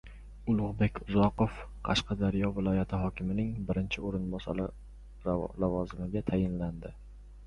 Ulug‘bek Uzoqov Qashqadaryo viloyati hokimining birinchi o‘rinbosari lavozimiga tayinlandi.